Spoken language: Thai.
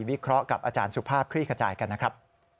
เคราะห์กับอาจารย์สุภาพคลี่ขจายกันนะครับ